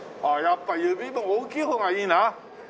ああやっぱ指も大きい方がいいな。